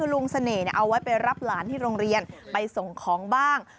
ลุงเสน่ห์เอาไว้ไปรับหลานที่โรงเรียนไปส่งของบ้าง